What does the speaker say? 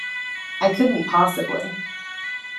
I couldn't possibly.